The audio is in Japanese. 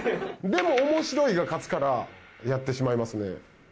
でも面白いが勝つからやってしまいますね。